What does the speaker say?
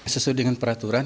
sesuai dengan peraturan